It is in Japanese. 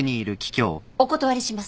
お断りします。